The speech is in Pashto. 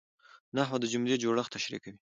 نحوه د جملې جوړښت تشریح کوي.